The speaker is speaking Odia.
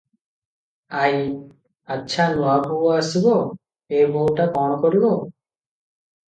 ଆଈ - ଆଚ୍ଛା, ନୁଆବୋହୂ ଆସିବ, ଏ ବୋହୂଟା କଣ କରିବ?